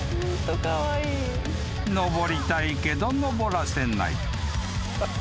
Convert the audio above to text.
［登りたいけど登らせない］